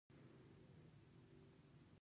بالاخره ډاکټرانو زېری وکړ.